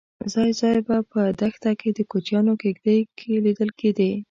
ځای ځای به په دښته کې د کوچیانو کېږدۍ لیدل کېدې.